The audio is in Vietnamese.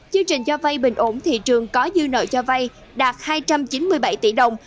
chương trình cho vay bình ổn thị trường có dư nợ cho vay đạt hai trăm chín mươi bảy tỷ đồng